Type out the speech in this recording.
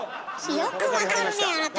よくわかるねえあなた。